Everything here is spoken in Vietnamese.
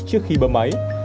trước khi bấm máy